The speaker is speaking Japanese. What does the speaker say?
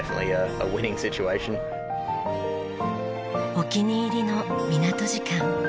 お気に入りの港時間。